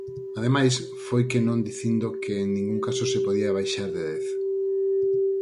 Ademais, foi que non dicindo que en ningún caso se podía baixar de dez.